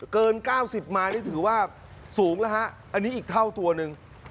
เกิน๙๐มานี่ถือว่าสูงแล้วฮะอันนี้อีกเท่าตัวหนึ่ง